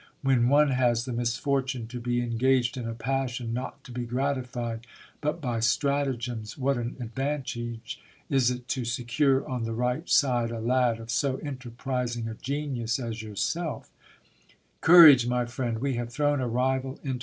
When one has the misfortune to be engaged in a passion not to be gratified but by stratagems, what an advantage is it to secure on the right side a lad of so enterprising a genius as yourself.